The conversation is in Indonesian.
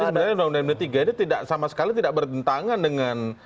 jadi sebenarnya undang undang md tiga ini tidak sama sekali tidak berdentangan dengan